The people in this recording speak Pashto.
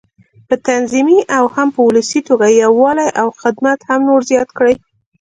په تنظيمي او هم په ولسي توګه یووالی او خدمت نور هم زیات کړي.